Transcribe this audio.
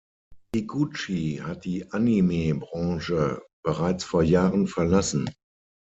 Higuchi hat die Anime-Branche bereits vor Jahren verlassen.